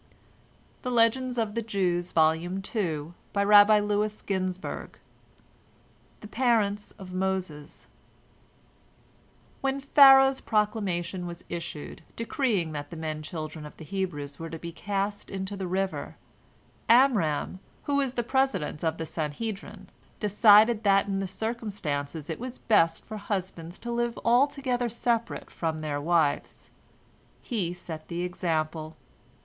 THE PARENTS OF MOSES When Pharaoh's proclamation was issued, decreeing that the men children of the Hebrews were to be cast into the river, Amram, who was the president of the Sanhedrin, decided that in the circumstances it was best for husbands to live altogether separate from their wives. He set the example.